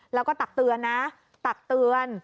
แล้วก็ตักเตือนนะตักเตือน